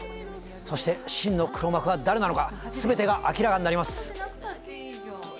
そして真の黒幕は誰なのか、すべてが明らかになります。